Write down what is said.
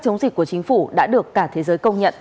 chống dịch của chính phủ đã được cả thế giới công nhận